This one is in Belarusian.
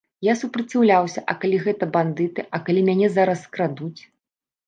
Я супраціўляўся, а калі гэта бандыты, а калі мяне зараз скрадуць?